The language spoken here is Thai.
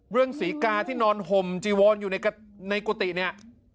ศรีกาที่นอนห่มจีวอนอยู่ในกุฏิเนี่ย